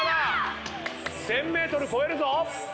１，０００ｍ超えるぞ！